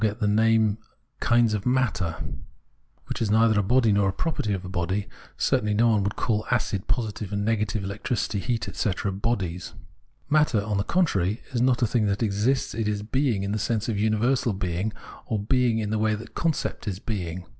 246 Phenomenology of Mind which is neither a body nor a property of a body ; certainly no one would call acid, positive and nega tive electricity, heat,* etc., bodies. Matter, on the contrary, is not a thing that exists, it is being in the sense of universal being, or being in the way the concept is being.